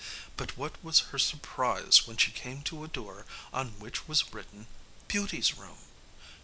But what was her surprise when she came to a door on which was written BEAUTY'S ROOM!